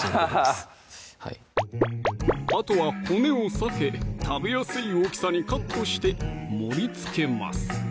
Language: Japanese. うわあとは骨を避け食べやすい大きさにカットして盛りつけます